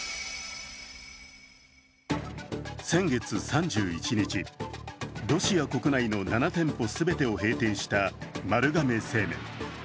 先月３１日、ロシア国内の７店舗全てを閉店した丸亀製麺。